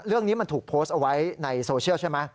เรื่องนี้มันถูกโพสต์เอาไว้ในโซเชียลใช่ไหม